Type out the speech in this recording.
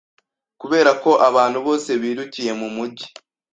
Kubera ko abantu bose birukiye mu mujyi